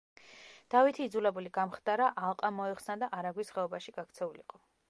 დავითი იძულებული გამხდარა ალყა მოეხსნა და არაგვის ხეობაში გაქცეულიყო.